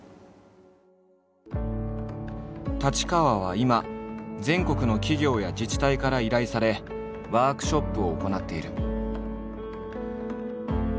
太刀川は今全国の企業や自治体から依頼されワークショップを行っている。